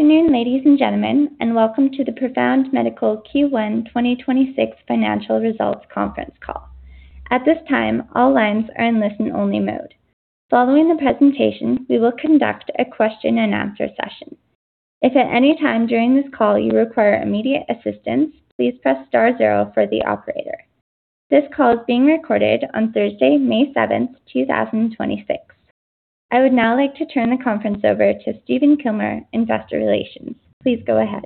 Good afternoon, ladies and gentlemen, and welcome to the Profound Medical Q1 2026 Financial Results Conference Call. At this time, all lines are in listen-only mode. Following the presentation, we will conduct a question and answer session. If at any time during this call you require immediate assistance, please press star zero for the operator. This call is being recorded on Thursday, May 7th, 2026. I would now like to turn the conference over to Stephen Kilmer, investor relations. Please go ahead.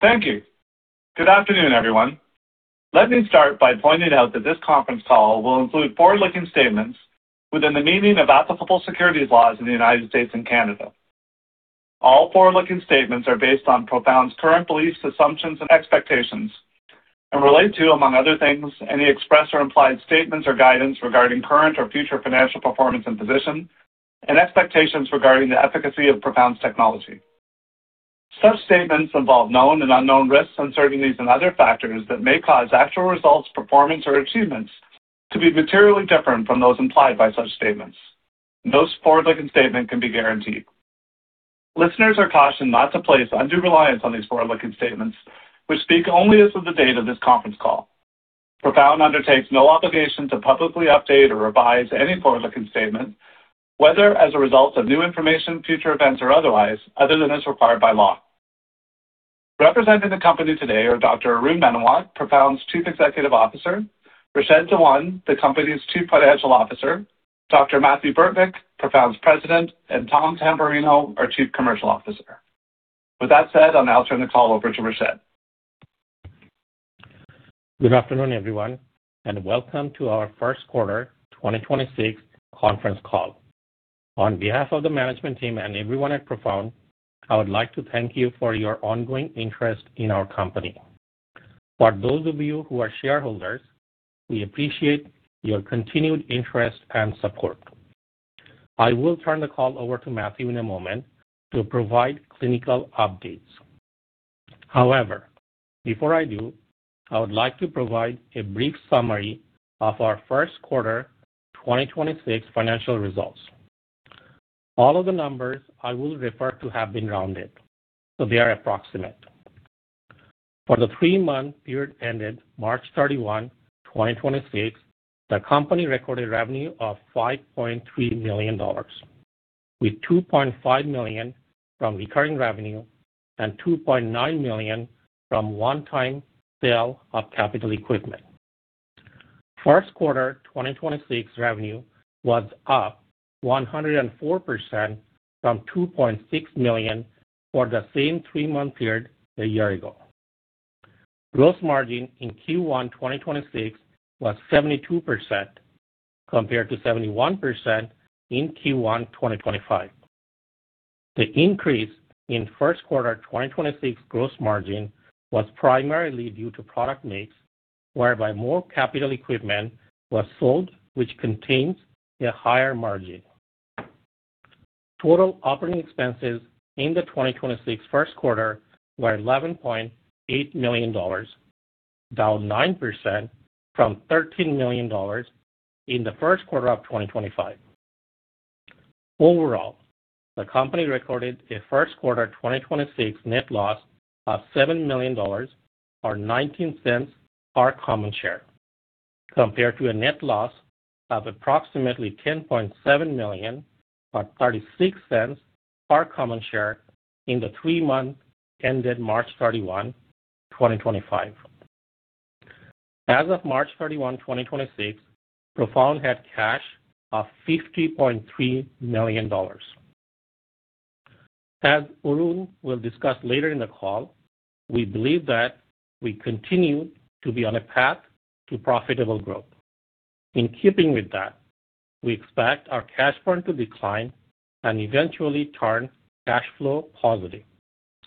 Thank you. Good afternoon, everyone. Let me start by pointing out that this conference call will include forward-looking statements within the meaning of applicable securities laws in the United States and Canada. All forward-looking statements are based on Profound's current beliefs, assumptions, and expectations and relate to, among other things, any express or implied statements or guidance regarding current or future financial performance and position and expectations regarding the efficacy of Profound's technology. Such statements involve known and unknown risks, uncertainties and other factors that may cause actual results, performance or achievements to be materially different from those implied by such statements. No forward-looking statement can be guaranteed. Listeners are cautioned not to place undue reliance on these forward-looking statements, which speak only as of the date of this conference call. Profound undertakes no obligation to publicly update or revise any forward-looking statement, whether as a result of new information, future events or otherwise, other than as required by law. Representing the company today are Dr. Arun Menawat, Profound's Chief Executive Officer, Rashed Dewan, the company's Chief Financial Officer, Dr. Mathieu Burtnyk, Profound's President, and Tom Tamberrino, our Chief Commercial Officer. With that said, I'll now turn the call over to Rashed. Good afternoon, everyone, welcome to our First Quarter 2026 Conference Call. On behalf of the management team and everyone at Profound, I would like to thank you for your ongoing interest in our company. For those of you who are shareholders, we appreciate your continued interest and support. I will turn the call over to Mathieu in a moment to provide clinical updates. However, before I do, I would like to provide a brief summary of our first quarter 2026 financial results. All of the numbers I will refer to have been rounded, they are approximate. For the three-month period ended March 31, 2026, the company recorded revenue of 5.3 million dollars, with 2.5 million from recurring revenue and 2.9 million from one-time sale of capital equipment. First quarter 2026 revenue was up 104% from 2.6 million for the same three-month period a year ago. Gross margin in Q1 2026 was 72% compared to 71% in Q1 2025. The increase in first quarter 2026 gross margin was primarily due to product mix, whereby more capital equipment was sold, which contains a higher margin. Total operating expenses in the 2026 first quarter were 11.8 million dollars, down 9% from 13 million dollars in the first quarter of 2025. Overall, the company recorded a first quarter 2026 net loss of 7 million dollars, or 0.19 per common share, compared to a net loss of approximately 10.7 million, or 0.36 per common share in the three months ended March 31, 2025. As of March 31, 2026, Profound had cash of 50.3 million dollars. As Arun will discuss later in the call, we believe that we continue to be on a path to profitable growth. In keeping with that, we expect our cash burn to decline and eventually turn cash flow positive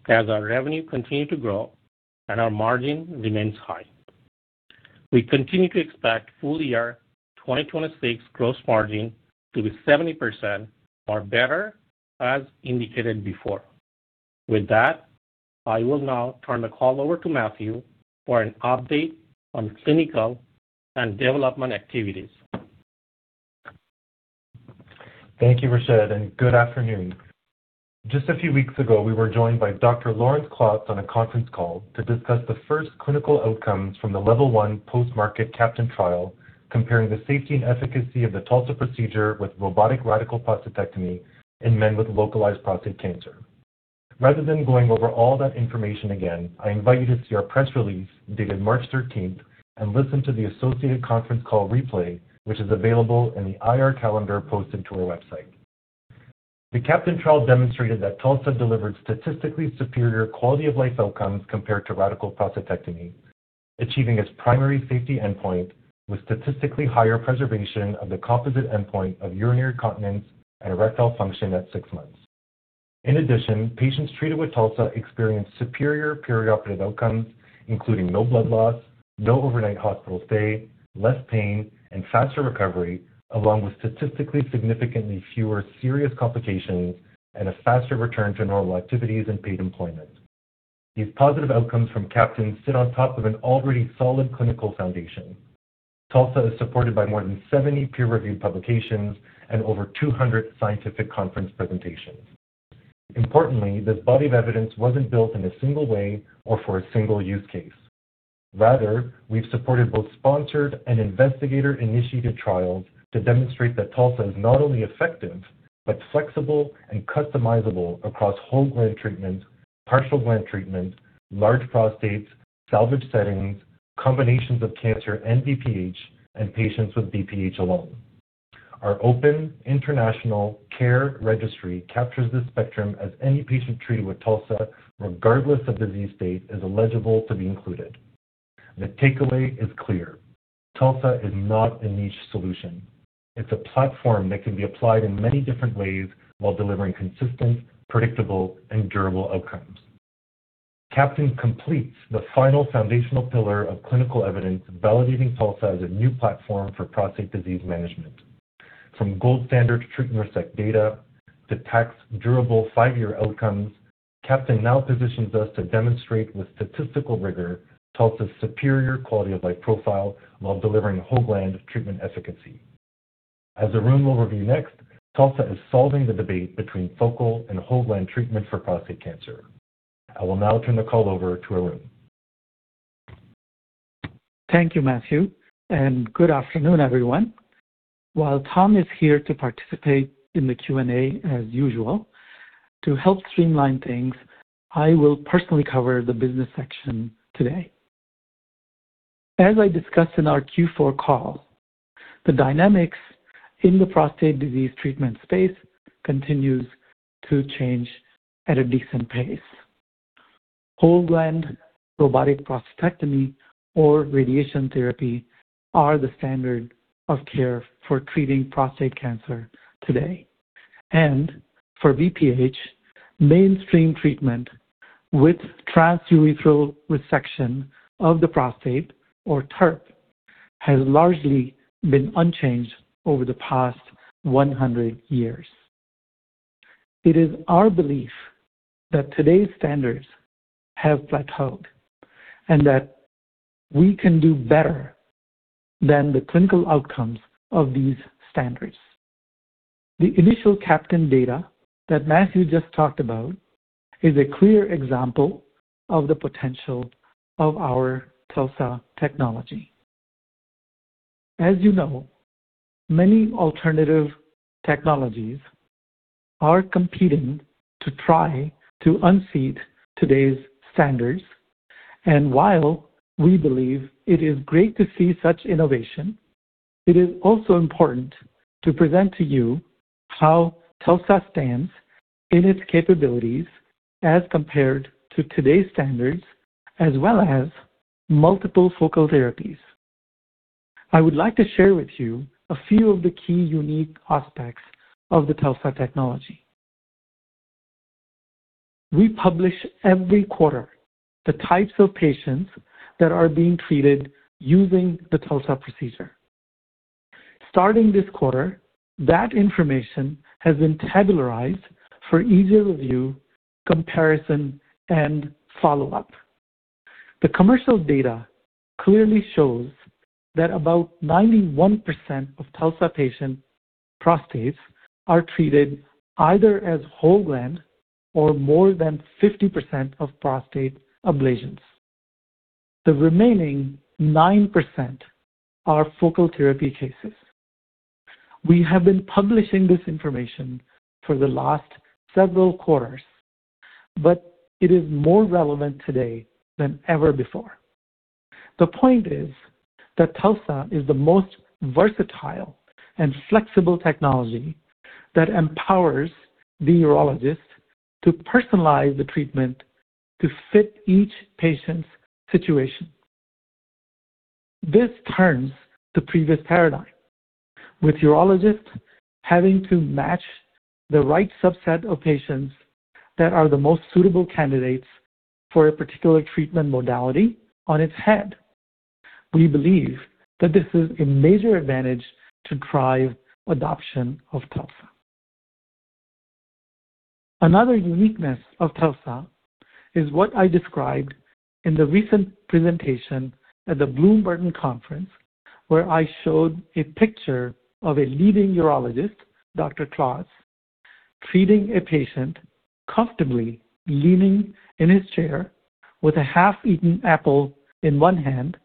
as our revenue continue to grow and our margin remains high. We continue to expect full year 2026 gross margin to be 70% or better, as indicated before. With that, I will now turn the call over to Mathieu for an update on clinical and development activities. Thank you, Rashed, and good afternoon. Just a few weeks ago, we were joined by Dr. Laurence Klotz on a conference call to discuss the first clinical outcomes from the level 1 post-market CAPTAIN trial, comparing the safety and efficacy of the TULSA procedure with robotic radical prostatectomy in men with localized prostate cancer. Rather than going over all that information again, I invite you to see our press release dated March 13 and listen to the associated conference call replay, which is available in the IR calendar posted to our website. The CAPTAIN trial demonstrated that TULSA delivered statistically superior quality of life outcomes compared to radical prostatectomy, achieving its primary safety endpoint with statistically higher preservation of the composite endpoint of urinary incontinence and erectile function at six months. In addition, patients treated with TULSA experienced superior perioperative outcomes, including no blood loss, no overnight hospital stay, less pain and faster recovery, along with statistically significantly fewer serious complications and a faster return to normal activities and paid employment. These positive outcomes from CAPTAIN sit on top of an already solid clinical foundation. TULSA is supported by more than 70 peer-reviewed publications and over 200 scientific conference presentations. Importantly, this body of evidence wasn't built in a single way or for a single use case. Rather, we've supported both sponsored and investigator-initiated trials to demonstrate that TULSA is not only effective but flexible and customizable across whole gland treatment, partial gland treatment, large prostates, salvage settings, combinations of cancer and BPH, and patients with BPH alone. Our open international care registry captures this spectrum as any patient treated with TULSA, regardless of disease state, is eligible to be included. The takeaway is clear. TULSA is not a niche solution. It's a platform that can be applied in many different ways while delivering consistent, predictable, and durable outcomes. CAPTAIN completes the final foundational pillar of clinical evidence validating TULSA as a new platform for prostate disease management. From gold standard treatment effect data to tact durable five-year outcomes, CAPTAIN now positions us to demonstrate with statistical rigor TULSA's superior quality of life profile while delivering whole gland treatment efficacy. As Arun will review next, TULSA is solving the debate between focal and whole gland treatment for prostate cancer. I will now turn the call over to Arun. Thank you, Mathieu, and good afternoon, everyone. While Tom is here to participate in the Q&A as usual, to help streamline things, I will personally cover the business section today. As I discussed in our Q4 call, the dynamics in the prostate disease treatment space continues to change at a decent pace. Whole gland robotic prostatectomy or radiation therapy are the standard of care for treating prostate cancer today. For BPH, mainstream treatment with transurethral resection of the prostate, or TURP, has largely been unchanged over the past 100 years. It is our belief that today's standards have plateaued and that we can do better than the clinical outcomes of these standards. The initial CAPTAIN data that Mathieu just talked about is a clear example of the potential of our TULSA technology. As you know, many alternative technologies are competing to try to unseat today's standards. While we believe it is great to see such innovation, it is also important to present to you how TULSA stands in its capabilities as compared to today's standards as well as multiple focal therapies. I would like to share with you a few of the key unique aspects of the TULSA technology. We publish every quarter the types of patients that are being treated using the TULSA procedure. Starting this quarter, that information has been tabularized for easier review, comparison, and follow-up. The commercial data clearly shows that about 91% of TULSA patient prostates are treated either as whole gland or more than 50% of prostate ablations. The remaining 9% are focal therapy cases. We have been publishing this information for the last several quarters, but it is more relevant today than ever before. The point is that TULSA is the most versatile and flexible technology that empowers the urologist to personalize the treatment to fit each patient's situation. This turns the previous paradigm, with urologists having to match the right subset of patients that are the most suitable candidates for a particular treatment modality on its head. We believe that this is a major advantage to drive adoption of TULSA. Another uniqueness of TULSA is what I described in the recent presentation at the Bloomberg conference, where I showed a picture of a leading urologist, Dr. Klotz, treating a patient comfortably leaning in his chair with a half-eaten apple in one hand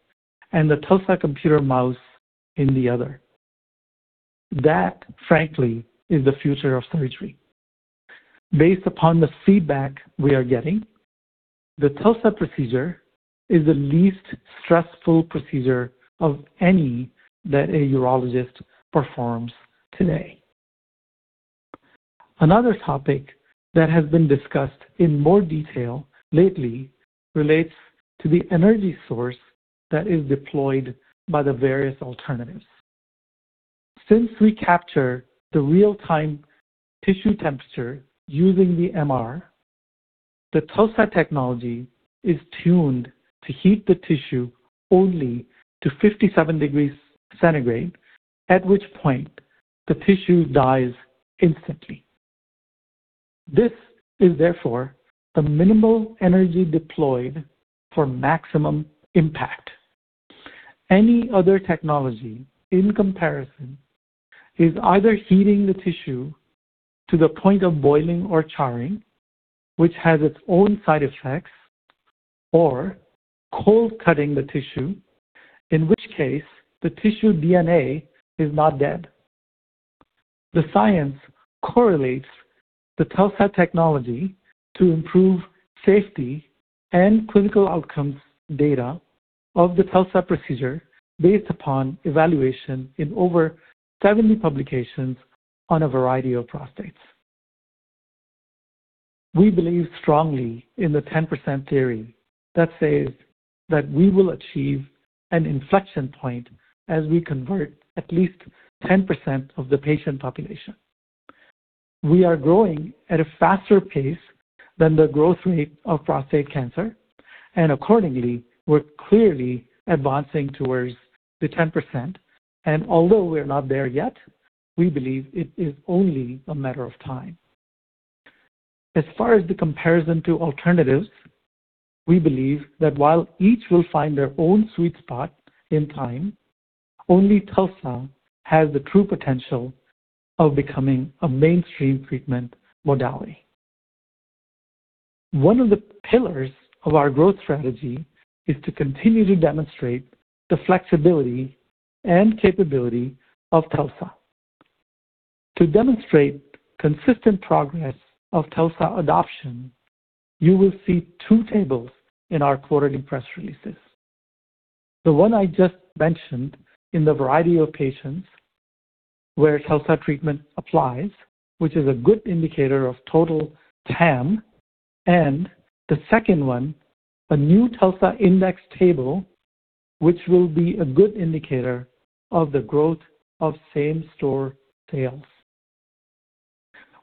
and the TULSA computer mouse in the other. That, frankly, is the future of surgery. Based upon the feedback we are getting, the TULSA procedure is the least stressful procedure of any that a urologist performs today. Another topic that has been discussed in more detail lately relates to the energy source that is deployed by the various alternatives. Since we capture the real-time tissue temperature using the MR, the TULSA technology is tuned to heat the tissue only to 57 degrees Centigrade, at which point, the tissue dies instantly. This is therefore the minimal energy deployed for maximum impact. Any other technology in comparison is either heating the tissue to the point of boiling or charring, which has its own side effects, or cold cutting the tissue, in which case the tissue DNA is not dead. The science correlates the TULSA technology to improve safety and clinical outcomes data of the TULSA procedure based upon evaluation in over 70 publications on a variety of prostates. We believe strongly in the 10% theory that says that we will achieve an inflection point as we convert at least 10% of the patient population. We are growing at a faster pace than the growth rate of prostate cancer, and accordingly, we're clearly advancing towards the 10%. And although we're not there yet, we believe it is only a matter of time. As far as the comparison to alternatives, we believe that while each will find their own sweet spot in time, only TULSA has the true potential of becoming a mainstream treatment modality. One of the pillars of our growth strategy is to continue to demonstrate the flexibility and capability of TULSA. To demonstrate consistent progress of TULSA adoption, you will see two tables in our quarterly press releases. The one I just mentioned in the variety of patients where TULSA treatment applies, which is a good indicator of total TAM. The second one, a new TULSA Index table, which will be a good indicator of the growth of same-store sales.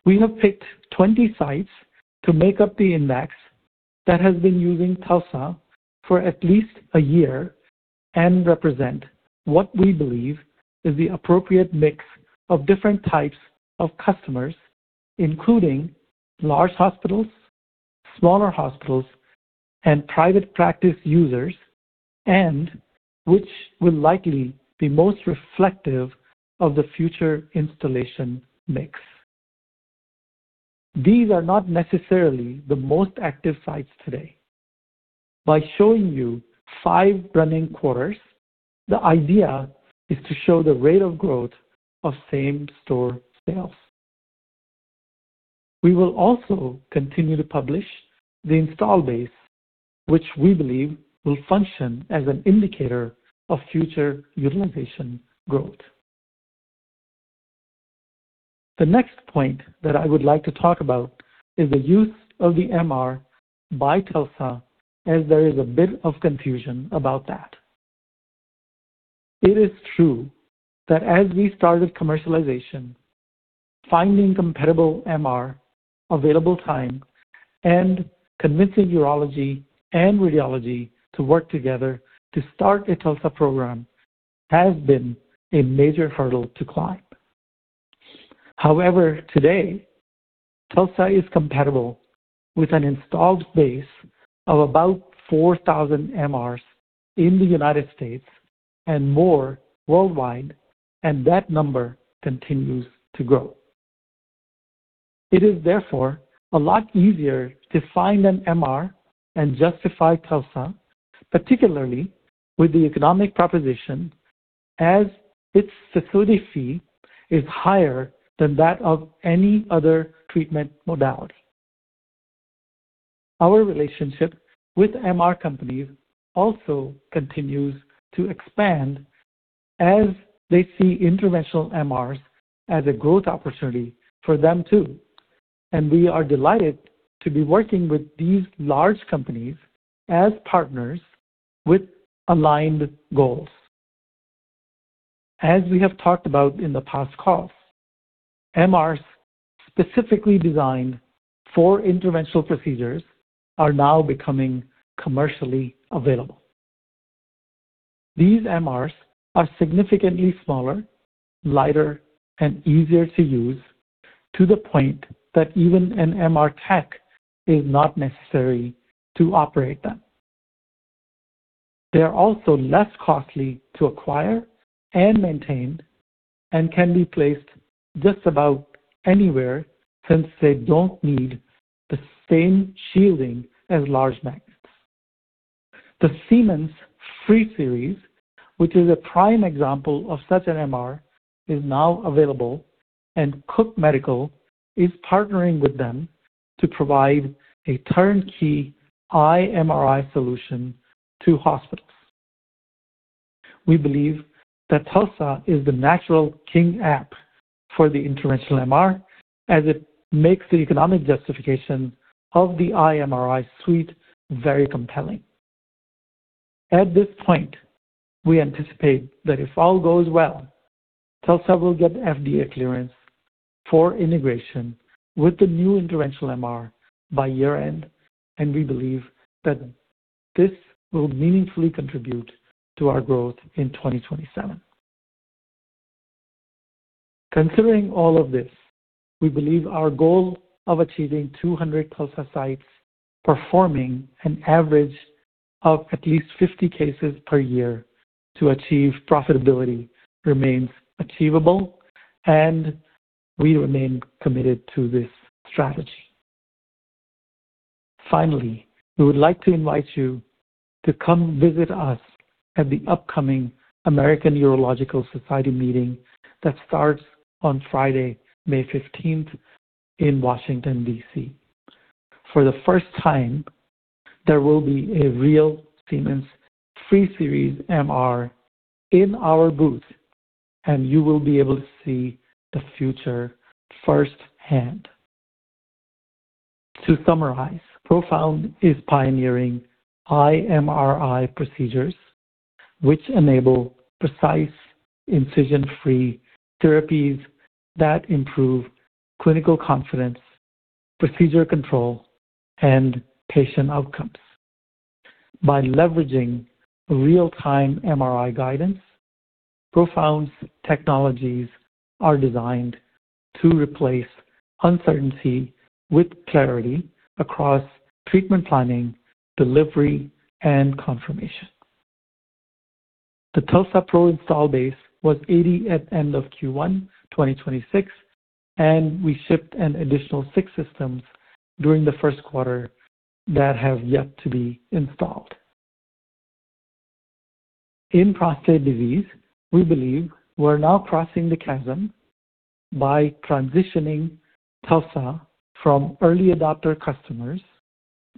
We have picked 20 sites to make up the index that has been using TULSA for at least a year and represent what we believe is the appropriate mix of different types of customers, including large hospitals, smaller hospitals, and private practice users, and which will likely be most reflective of the future installation mix. These are not necessarily the most active sites today. By showing you five running quarters, the idea is to show the rate of growth of same-store sales. We will also continue to publish the install base, which we believe will function as an indicator of future utilization growth. The next point that I would like to talk about is the use of the MR by TULSA, as there is a bit of confusion about that. It is true that as we started commercialization, finding compatible MR, available time, and convincing urology and radiology to work together to start a TULSA program has been a major hurdle to climb. Today, TULSA is compatible with an installed base of about 4,000 MRs in the U.S. and more worldwide, and that number continues to grow. It is therefore a lot easier to find an MR and justify TULSA, particularly with the economic proposition, as its facility fee is higher than that of any other treatment modality. Our relationship with MR companies also continues to expand as they see interventional MRs as a growth opportunity for them too. We are delighted to be working with these large companies as partners with aligned goals. As we have talked about in the past calls, MRs specifically designed for interventional procedures are now becoming commercially available. These MRs are significantly smaller, lighter, and easier to use to the point that even an MR tech is not necessary to operate them. They are also less costly to acquire and maintain and can be placed just about anywhere since they don't need the same shielding as large magnets. The Siemens Free Series, which is a prime example of such an MR, is now available, and Cook Medical is partnering with them to provide a turnkey iMRI solution to hospitals. We believe that TULSA is the natural king app for the interventional MR, as it makes the economic justification of the iMRI suite very compelling. At this point, we anticipate that if all goes well, TULSA will get FDA clearance for integration with the new interventional MR by year-end, and we believe that this will meaningfully contribute to our growth in 2027. Considering all of this, we believe our goal of achieving 200 TULSA sites performing an average of at least 50 cases per year to achieve profitability remains achievable, and we remain committed to this strategy. Finally, we would like to invite you to come visit us at the upcoming American Urological Association meeting that starts on Friday, May 15th, in Washington, D.C. For the first time, there will be a real Siemens Free Series MR in our booth, and you will be able to see the future first hand. To summarize, Profound is pioneering iMRI procedures which enable precise incision-free therapies that improve clinical confidence, procedure control, and patient outcomes. By leveraging real-time MRI guidance, Profound's technologies are designed to replace uncertainty with clarity across treatment planning, delivery, and confirmation. The TULSA-PRO install base was 80 at end of Q1 2026, and we shipped an additional six systems during the first quarter that have yet to be installed. In prostate disease, we believe we're now crossing the chasm by transitioning TULSA from early adopter customers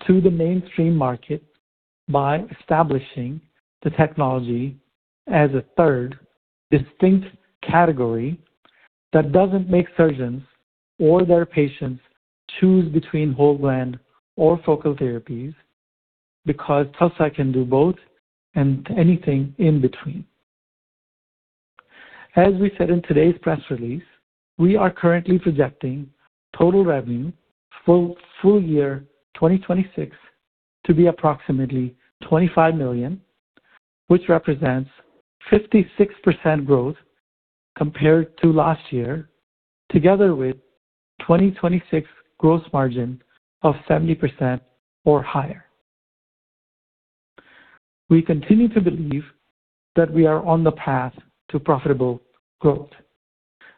to the mainstream market by establishing the technology as a third distinct category that doesn't make surgeons or their patients choose between whole gland or focal therapies, because TULSA can do both and anything in between. As we said in today's press release, we are currently projecting total revenue for full year 2026 to be approximately 25 million, which represents 56% growth compared to last year, together with 2026 gross margin of 70% or higher. We continue to believe that we are on the path to profitable growth.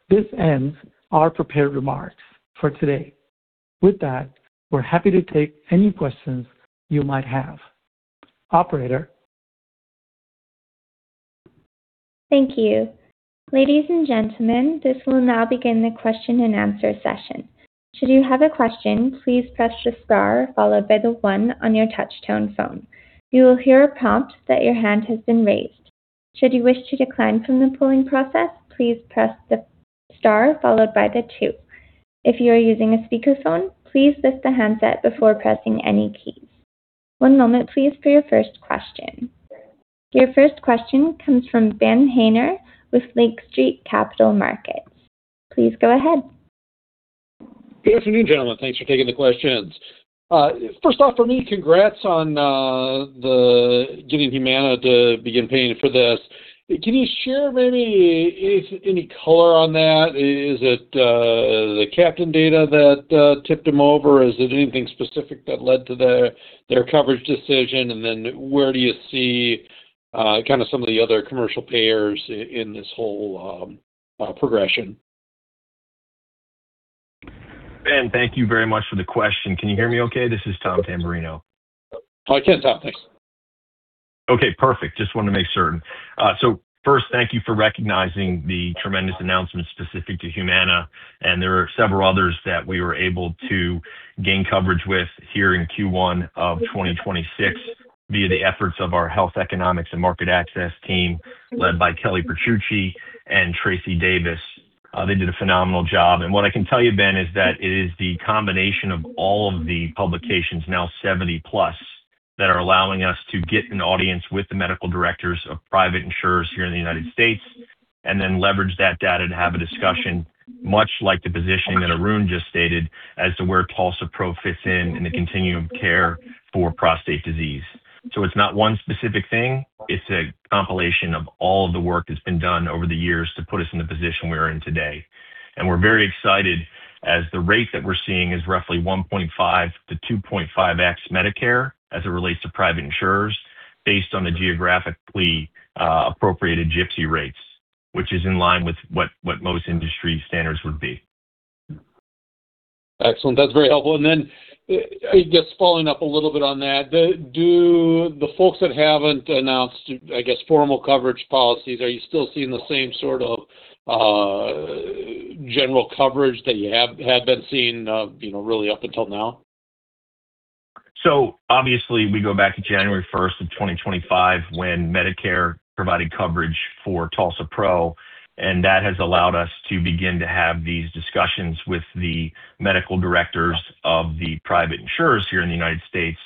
This ends our prepared remarks for today. With that, we're happy to take any questions you might have. Operator? Thank you. Your first question comes from Ben Haynor with Lake Street Capital Markets. Please go ahead. Good afternoon, gentlemen. Thanks for taking the questions. First off for me, congrats on the getting Humana to begin paying for this. Can you share maybe any color on that? Is it the CAPTAIN data that tipped them over? Is it anything specific that led to their coverage decision? Then where do you see kinda some of the other commercial payers in this whole progression? Ben, thank you very much for the question. Can you hear me okay? This is Tom Tamberrino. I can, Tom. Thanks. Okay, perfect. Just wanted to make certain. First, thank you for recognizing the tremendous announcement specific to Humana, and there are several others that we were able to gain coverage with here in Q1 of 2026 via the efforts of our health economics and market access team led by Kelly Petrucci and Tracy Davis. They did a phenomenal job. What I can tell you, Ben, is that it is the combination of all of the publications, now 70 plus, that are allowing us to get an audience with the medical directors of private insurers here in the United States and then leverage that data to have a discussion, much like the position that Arun just stated as to where TULSA-PRO fits in in the continuum of care for prostate disease. It's not one specific thing. It's a compilation of all of the work that's been done over the years to put us in the position we're in today. We're very excited, as the rate that we're seeing is roughly 1.5 to 2.5x Medicare as it relates to private insurers based on the geographically appropriated GPCI rates, which is in line with what most industry standards would be. Excellent. That's very helpful. Then, I guess following up a little bit on that, do the folks that haven't announced, I guess, formal coverage policies, are you still seeing the same sort of general coverage that you had been seeing, you know, really up until now? Obviously we go back to January 1st, 2025, when Medicare provided coverage for TULSA-PRO, and that has allowed us to begin to have these discussions with the medical directors of the private insurers here in the United States.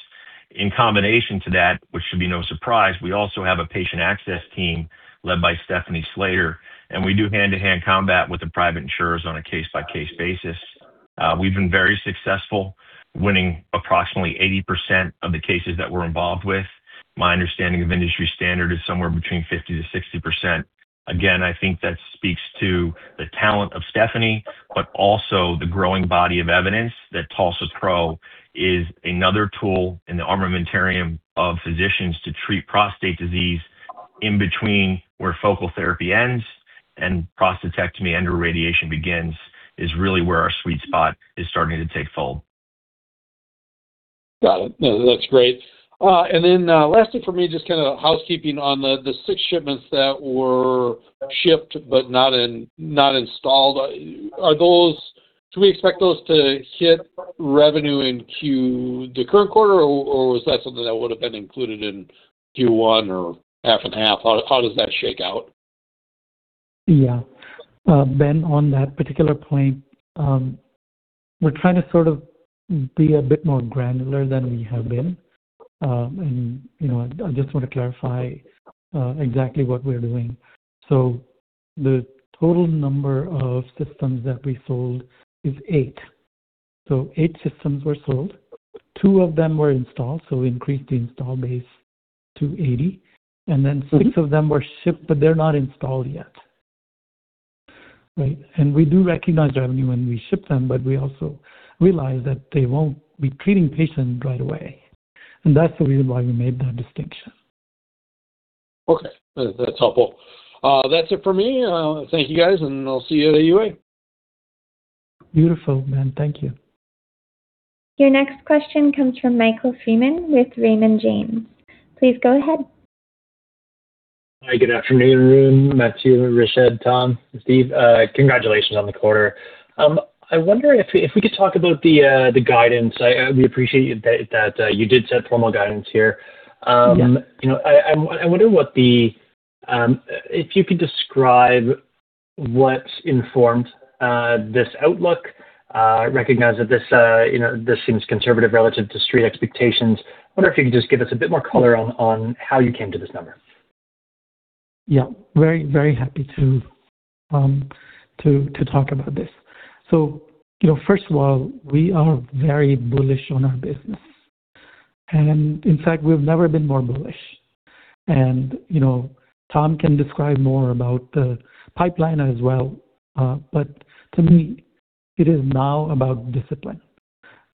In combination to that, which should be no surprise, we also have a patient access team led by Stephanie Slater, and we do hand-to-hand combat with the private insurers on a case-by-case basis. We've been very successful, winning approximately 80% of the cases that we're involved with. My understanding of industry standard is somewhere between 50%-60%. I think that speaks to the talent of Stephanie, but also the growing body of evidence that TULSA-PRO is another tool in the armamentarium of physicians to treat prostate disease in between where focal therapy ends and prostatectomy and/or radiation begins is really where our sweet spot is starting to take fold. Got it. No, that's great. Last thing for me, just kinda housekeeping on the six shipments that were shipped but not installed. Do we expect those to hit revenue in the current quarter, or is that something that would have been included in Q1 or half and half? How does that shake out? Ben, on that particular point, we're trying to sort of be a bit more granular than we have been. You know, I just wanna clarify exactly what we're doing. The total number of systems that we sold is Eight. So, eight systems were sold. Two of them were installed, we increased the install base to 80. Six of them were shipped, they're not installed yet. Right. We do recognize revenue when we ship them, we also realize that they won't be treating patients right away. That's the reason why we made that distinction. Okay. That's helpful. That's it for me. Thank you, guys, and I'll see you at AUA. Beautiful, Ben. Thank you. Your next question comes from Michael Freeman with Raymond James. Please go ahead. Hi, good afternoon, Arun, Mathieu, Rashed, Tom, Steve. Congratulations on the quarter. I wonder if we could talk about the guidance. We appreciate that you did set formal guidance here. Yeah. You know, I wonder if you could describe what informed this outlook. I recognize that this, you know, seems conservative relative to street expectations. I wonder if you could just give us a bit more color on how you came to this number? Yeah. Very, very happy to talk about this. You know, first of all, we are very bullish on our business. In fact, we've never been more bullish. You know, Tom can describe more about the pipeline as well. To me, it is now about discipline.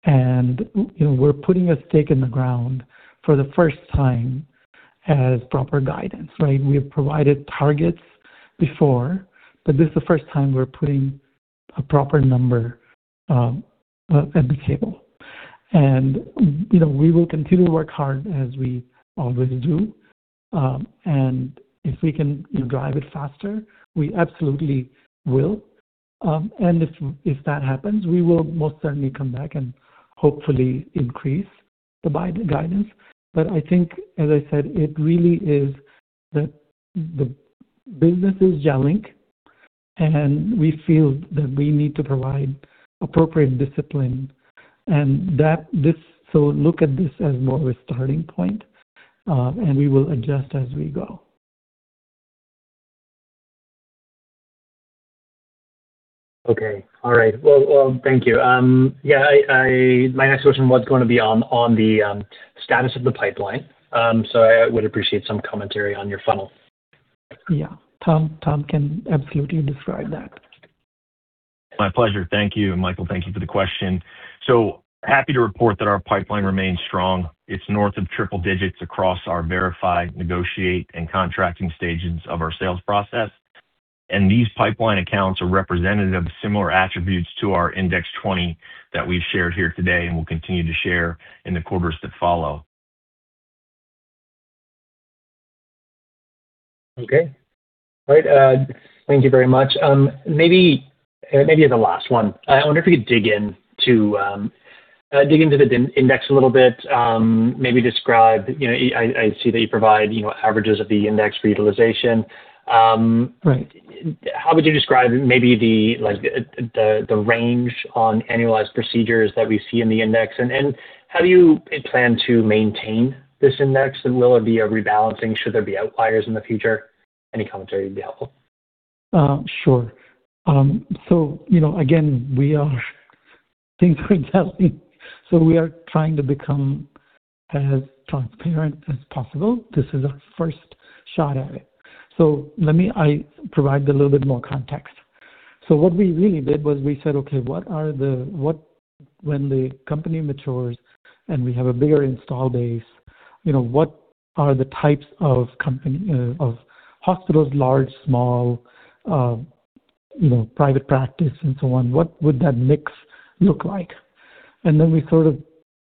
You know, we're putting a stake in the ground for the first time as proper guidance, right? We have provided targets before, but this is the first time we're putting a proper number on the table. You know, we will continue to work hard as we always do. If we can drive it faster, we absolutely will. If that happens, we will most certainly come back and hopefully increase the guidance. I think, as I said, it really is the business is jelling, and we feel that we need to provide appropriate discipline. Look at this as more of a starting point, and we will adjust as we go. Okay. All right. Well, thank you. Yeah, My next question was gonna be on the status of the pipeline. I would appreciate some commentary on your funnel. Yeah. Tom can absolutely describe that. My pleasure. Thank you. Michael, thank you for the question. Happy to report that our pipeline remains strong. It's north of triple digits across our verified, negotiate, and contracting stages of our sales process. These pipeline accounts are representative of similar attributes to our Index 20 that we've shared here today and will continue to share in the quarters that follow. Okay. Great. Thank you very much. Maybe the last one. I wonder if you could dig into the TULSA Index a little bit. Maybe describe, you know, I see that you provide, you know, averages of the index for utilization. Right. How would you describe maybe the range on annualized procedures that we see in the index? How do you plan to maintain this index? Will it be a rebalancing should there be outliers in the future? Any commentary would be helpful. Sure. You know, again, we are... Things are jelling. So we are trying to become as transparent as possible. This is our first shot at it. Let me provide a little bit more context. What we really did was we said, okay, what are the types of company, of hospitals, large, small, you know, private practice and so on? What would that mix look like? Then we sort of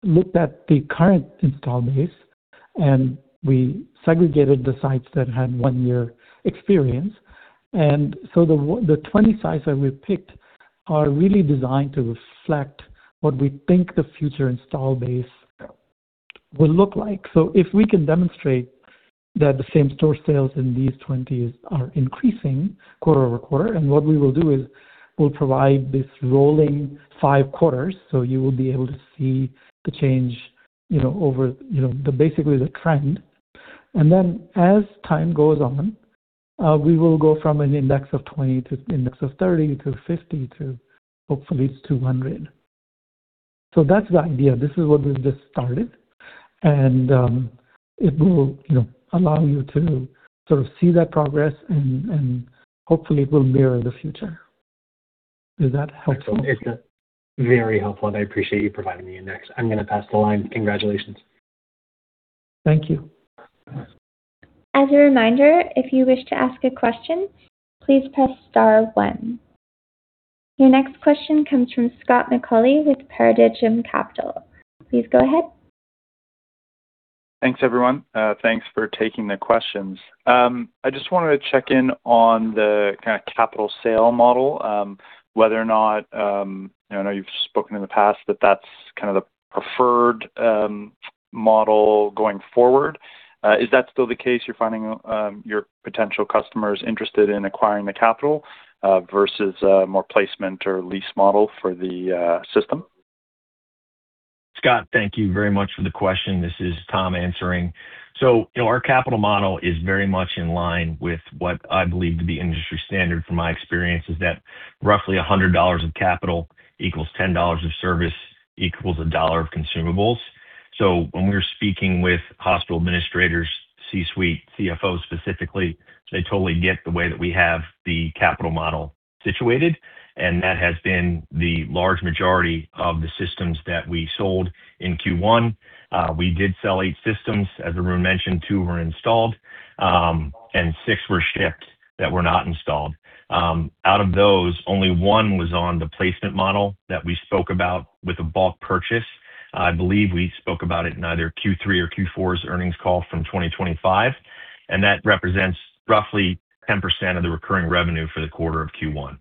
looked at the current install base, and we segregated the sites that had one year experience. The 20 sites that we picked are really designed to reflect what we think the future install base will look like. If we can demonstrate that the same-store sales in these 20 are increasing quarter-over-quarter. What we will do is we'll provide this rolling five quarters, so you will be able to see the change, you know, over, you know, the basically the trend. As time goes on, we will go from an index of 20 to index of 30 to 50 to hopefully to 100. That's the idea. It will, you know, allow you to sort of see that progress and hopefully it will mirror the future. Is that helpful? Excellent. It's very helpful, and I appreciate you providing the TULSA Index. I'm gonna pass the line. Congratulations. Thank you. As a reminder, if you wish to ask a question, please press star one. Your next question comes from Scott McAuley with Paradigm Capital. Please go ahead. Thanks, everyone. Thanks for taking the questions. I just wanted to check in on the kind of capital sale model, whether or not I know you've spoken in the past that that's kind of the preferred model going forward. Is that still the case, you're finding, your potential customers interested in acquiring the capital, versus a more placement or lease model for the system? Scott, thank you very much for the question. This is Tom answering. You know, our capital model is very much in line with what I believe to be industry standard from my experience, is that roughly 100 dollars of capital equals 10 dollars of service equals CAD 1 of consumables. When we're speaking with hospital administrators, C-suite, CFOs specifically, they totally get the way that we have the capital model situated, and that has been the large majority of the systems that we sold in Q1. We did sell eight systems. As Arun mentioned, two were installed, and six were shipped that were not installed. Out of those, only one was on the placement model that we spoke about with a bulk purchase. I believe we spoke about it in either Q3 or Q4's earnings call from 2025. That represents roughly 10% of the recurring revenue for the quarter of Q1.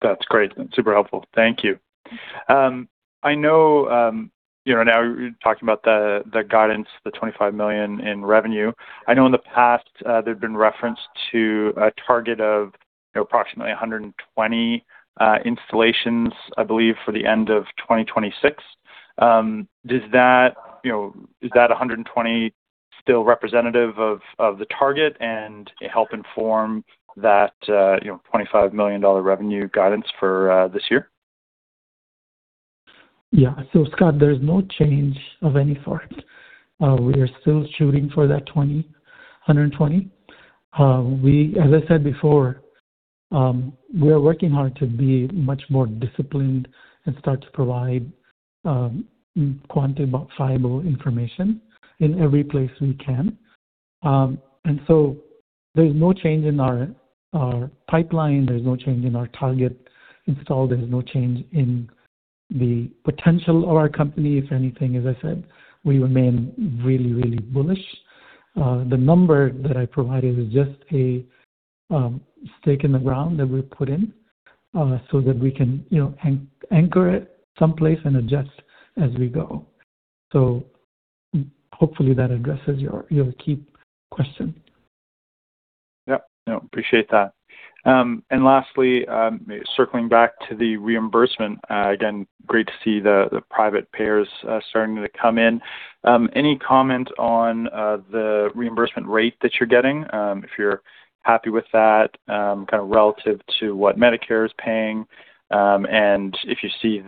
That's great. Super helpful. Thank you. I know, you know, now you're talking about the guidance, the 25 million in revenue. I know in the past, there'd been reference to a target of, you know, approximately 120 installations, I believe, for the end of 2026. Does that, you know, is that 120 still representative of the target and help inform that, you know, 25 million dollar revenue guidance for this year? Scott, there is no change of any sort. We are still shooting for that 120. As I said before, we are working hard to be much more disciplined and start to provide quantifiable information in every place we can. There's no change in our pipeline. There's no change in our target install. There's no change in the potential of our company. If anything, as I said, we remain really bullish. The number that I provided is just a stake in the ground that we put in so that we can, you know, anchor it someplace and adjust as we go. Hopefully that addresses your key question. Yep. No, appreciate that. Lastly, circling back to the reimbursement, again, great to see the private payers starting to come in. Any comment on the reimbursement rate that you're getting, if you're happy with that, kind of relative to what Medicare is paying, and if you see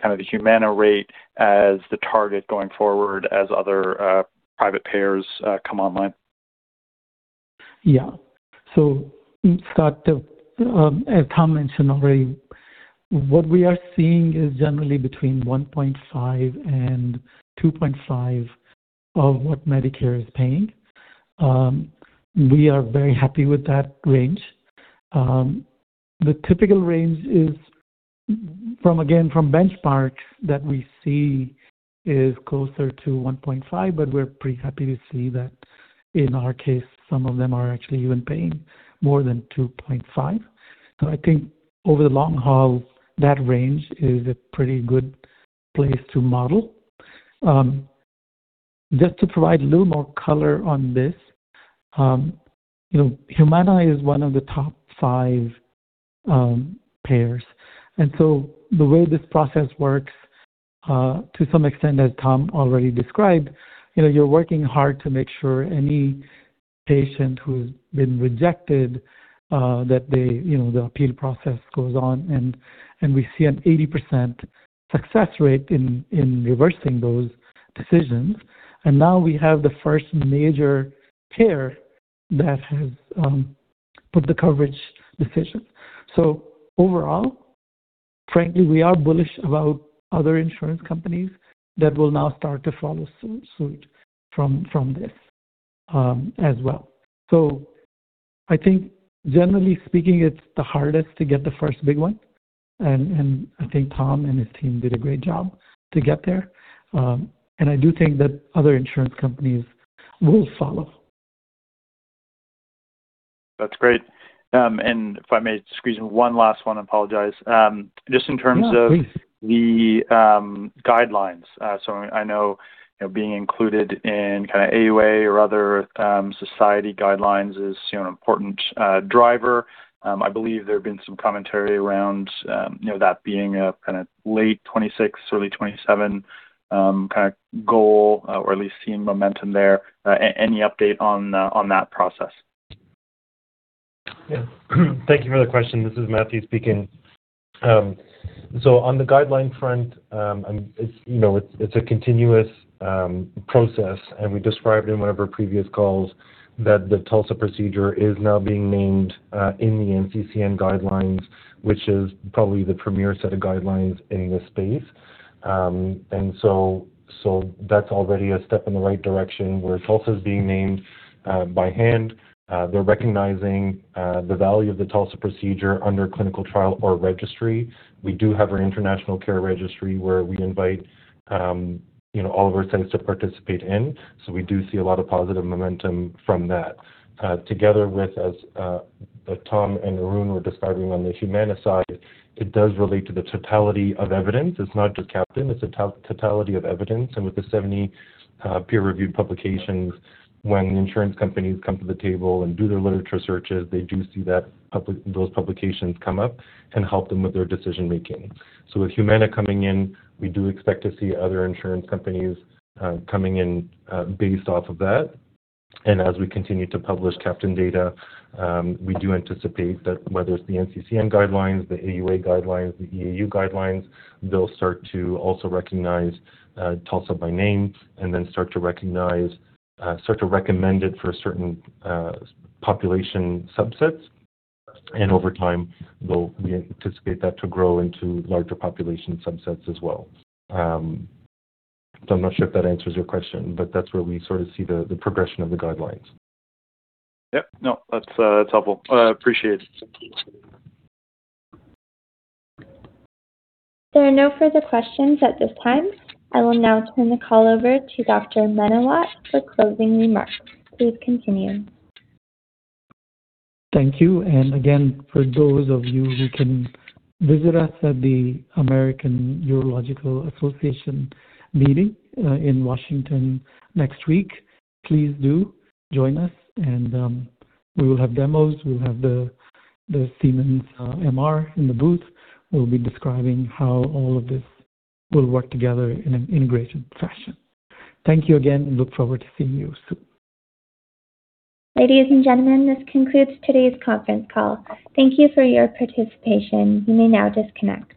kind of the Humana rate as the target going forward as other private payers come online? Yeah. Scott, as Tom mentioned already, what we are seeing is generally between 1.5 and 2.5 of what Medicare is paying. We are very happy with that range. The typical range is from, again, from benchmarks that we see is closer to 1.5, but we're pretty happy to see that in our case, some of them are actually even paying more than 2.5. I think over the long haul, that range is a pretty good place to model. Just to provide a little more color on this, you know, Humana is one of the top five payers. The way this process works, to some extent, as Tom already described, you know, you're working hard to make sure any patient who's been rejected, that they, you know, the appeal process goes on, and we see an 80% success rate in reversing those decisions. Now we have the first major payer that has put the coverage decisions. Overall, frankly, we are bullish about other insurance companies that will now start to follow suit from this as well. I think generally speaking, it's the hardest to get the first big one, and I think Tom and his team did a great job to get there. I do think that other insurance companies will follow. That's great. If I may squeeze in one last one, I apologize. Yeah, please Just in terms of the guidelines. I know, you know, being included in kind of AUA or other society guidelines is, you know, an important driver. I believe there have been some commentary around, you know, that being a kind of late 2026, early 2027 kind of goal, or at least seeing momentum there. Are there any update on that process? Yeah. Thank you for the question. This is Mathieu speaking. On the guideline front, you know, it's a continuous process. We described in one of our previous calls that the TULSA procedure is now being named in the NCCN guidelines, which is probably the premier set of guidelines in this space. That's already a step in the right direction, where TULSA is being named by hand. They're recognizing the value of the TULSA procedure under clinical trial or registry. We do have our international care registry where we invite, you know, all of our centers to participate in. We do see a lot of positive momentum from that. Together with as Tom and Arun were describing on the Humana side, it does relate to the totality of evidence. It's not just CAPTAIN, it's a totality of evidence. With the 70 peer-reviewed publications, when insurance companies come to the table and do their literature searches, they do see that those publications come up and help them with their decision-making. With Humana coming in, we do expect to see other insurance companies coming in based off of that. As we continue to publish CAPTAIN data, we do anticipate that whether it's the NCCN guidelines, the AUA guidelines, the EAU guidelines, they'll start to also recognize TULSA by name and then start to recommend it for certain population subsets. Over time, we anticipate that to grow into larger population subsets as well. I'm not sure if that answers your question, but that's where we sort of see the progression of the guidelines. Yep, no, that's helpful. Appreciate it. There are no further questions at this time. I will now turn the call over to Dr. Menawat for closing remarks. Please continue. Thank you. Again, for those of you who can visit us at the American Urological Association meeting, in Washington next week, please do join us and, we will have demos. We'll have the Siemens MR in the booth. We'll be describing how all of this will work together in an integrated fashion. Thank you again and look forward to seeing you soon. Ladies and gentlemen, this concludes today's conference call. Thank you for your participation. You may now disconnect.